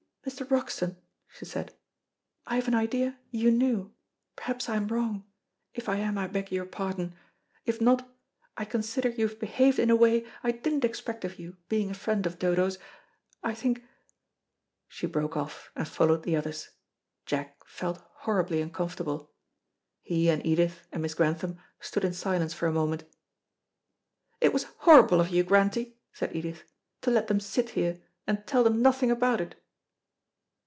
"Mr. Broxton," she said, "I have an idea you knew. Perhaps I am wrong. If I am, I beg your pardon; if not, I consider you have behaved in a way I didn't expect of you, being a friend of Dodo's. I think " she broke off, and followed the others. Jack felt horribly uncomfortable. He and Edith and Miss Grantham stood in silence for a moment. "It was horrible of you, Grantie," said Edith, "to let them sit here, and tell them nothing about it."